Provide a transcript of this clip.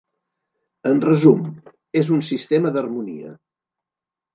En resum, és un sistema d'harmonia.